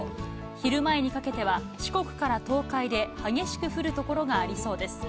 昼前にかけては四国から東海で激しく降る所がありそうです。